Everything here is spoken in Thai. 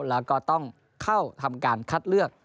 แล้วก็ต้องเข้าทำการคัดเลือก